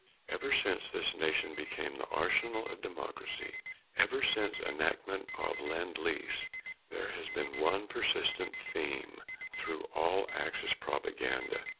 Ever since this nation became the arsenal of democracy ever since enactment of Lend Lease there has been one persistent theme through all Axis propaganda.